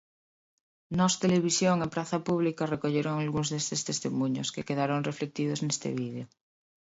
Nós Televisión e Praza Pública recolleron algúns destes testemuños, que quedaron reflectidos neste vídeo.